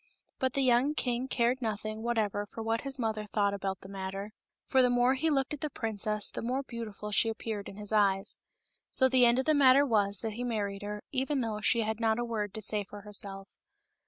But the young king cared nothing whatever for what his mother thought babpatoapfrom%ca)»tkoft|^f 200 MOTHER HILDEGARDE. about the matter, for the more he looked at the princess, the more beautiful she appeared in his eyes. So the end of the matter was that he married her, even though she had not a word to say for herself.